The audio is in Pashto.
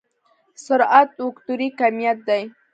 سرعت وکتوري کميت دی.